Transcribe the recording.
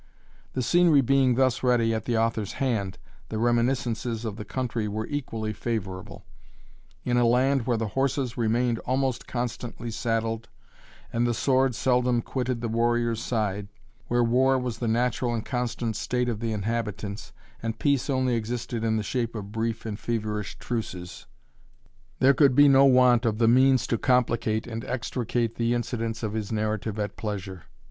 The scenery being thus ready at the author's hand, the reminiscences of the country were equally favourable. In a land where the horses remained almost constantly saddled, and the sword seldom quitted the warrior's side where war was the natural and constant state of the inhabitants, and peace only existed in the shape of brief and feverish truces there could be no want of the means to complicate and extricate the incidents of his narrative at pleasure.